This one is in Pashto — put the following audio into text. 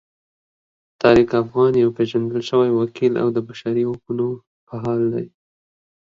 طارق افغان یو پیژندل شوی وکیل او د بشري حقونو فعال دی.